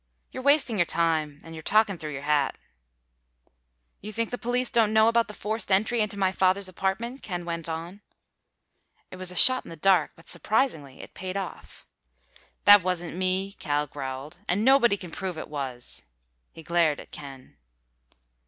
"You're wasting your time. And you're talking through your hat." "You think the police don't know about the forced entry into my father's apartment?" Ken went on. It was a shot in the dark, but surprisingly it paid off. "That wasn't me," Cal growled, "and nobody can prove it was!" He glared at Ken.